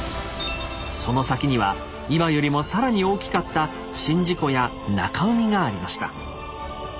その先には今よりも更に大きかった宍道湖や中海がありました。